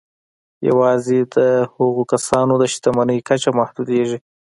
یوازې د هغو کسانو د شتمني کچه محدودېږي